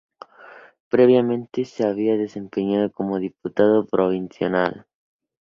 Previamente se había desempeñado como diputado provincial.